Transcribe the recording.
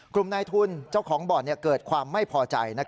กลุ่มนายทุนเจ้าของบ่อนเกิดความไม่พอใจ